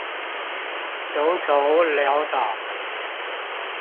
窮愁潦倒